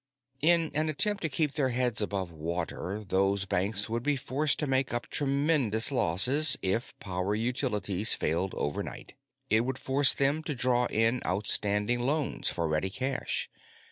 In an attempt to keep their heads above water, those banks would be forced to make up tremendous losses if Power Utilities failed overnight. It would force them to draw in outstanding loans for ready cash.